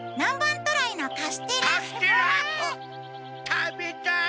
食べたい！